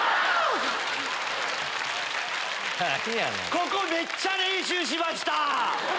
ここめっちゃ練習しました！